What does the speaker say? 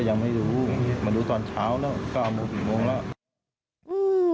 ก็ยังไม่รู้มาดูตอนเช้าแล้ว๙โมงแล้ว